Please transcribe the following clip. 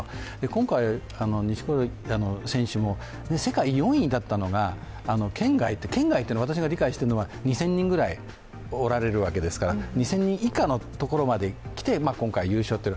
今回は錦織選手も世界４位だったのが、圏外って、圏外って私が理解しているのは２０００人ぐらいおられるわけですから２０００人以下のところまできて今回、優勝と。